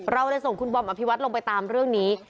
เราเลยส่งคุณบอมอภิวัตลงไปตามเรื่องนี้